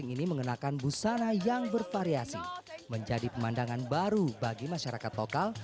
ini mengenakan busana yang bervariasi menjadi pemandangan baru bagi masyarakat lokal